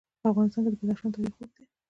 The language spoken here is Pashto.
په افغانستان کې د بدخشان تاریخ اوږد دی.